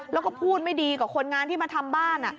แล้วก็พูดไม่ดีกับคนงานที่มาทำบ้าน